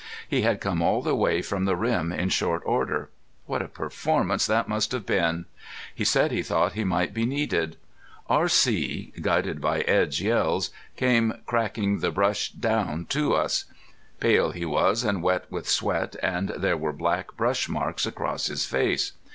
He had come all the way from the rim in short order. What a performance that must have been! He said he thought he might be needed. R.C. guided by Edd's yells, came cracking the brush down to us. Pale he was and wet with sweat, and there were black brush marks across his face.